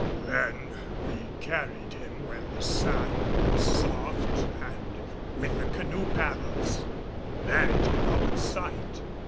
Then we carried him where the sand was soft and with the canoe paddles buried him out of sight.